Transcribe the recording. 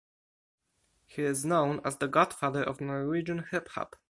He is known as the godfather of Norwegian hip hop.